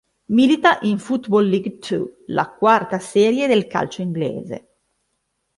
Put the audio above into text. Milita in Football League Two, la quarta serie del calcio inglese.